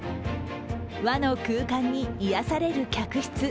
和の空間に癒やされる客室。